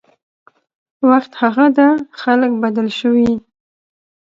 وخت هغه ده خلک بدل شوي